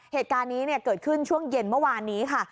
เหตุการณ์นี้เกิดขึ้นช่วงเย็นเมื่อวานนี้ค่ะ